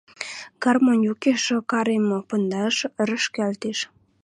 Гармонь юкеш карем пындаш рӹшкӓлтеш: